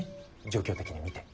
状況的に見て。